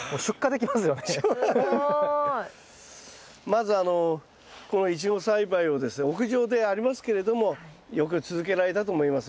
まずこのイチゴ栽培をですね屋上でありますけれどもよく続けられたと思います。